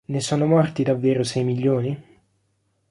Ne sono morti davvero sei milioni?